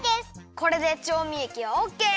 これでちょうみえきはオッケー！